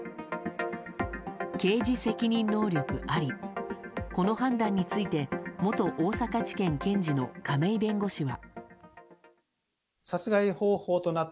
刑事責任能力ありこの判断について元大阪地検検事の亀井弁護士は。